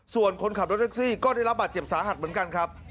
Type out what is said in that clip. ส่วนคนขับรถแท็กซี่ก็ได้รับบาดเจ็บสาหัสเหมือนกันครับ